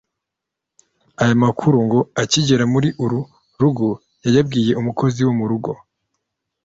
Aya makuru ngo akigera muri uru rugo yayabwiye umukozi wo m’urugo